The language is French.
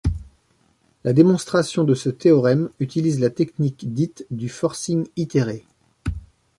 La démonstration de ce théorème utilise la technique dite du forcing itéré.